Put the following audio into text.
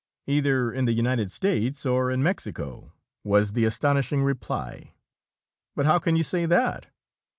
"Either in the United States or in Mexico," was the astonishing reply. "But how can you say that?"